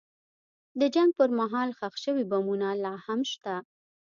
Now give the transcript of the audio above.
د جنګ پر مهال ښخ شوي بمونه لا هم شته.